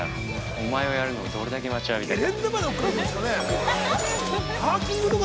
お前をやるのをどれだけ待ちわびたか。